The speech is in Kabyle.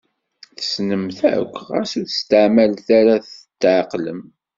Tessnem-t akk xas ur steɛmalet ara tetɛeqlem